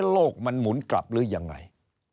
โลกมันหมุนกลับหรือยังไง